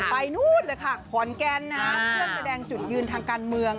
นู่นเลยค่ะขอนแก่นนะเพื่อแสดงจุดยืนทางการเมือง